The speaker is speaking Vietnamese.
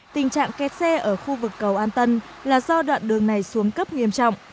tình trạng kẹt xe ở khu vực cầu an tân là do đoạn đường này xuống cấp nghiêm trọng